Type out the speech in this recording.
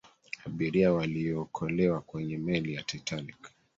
abiria waliyookolewa kwenye meli ya titanic